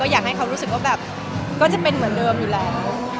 อยากให้เขารู้สึกว่าแบบก็จะเป็นเหมือนเดิมอยู่แล้ว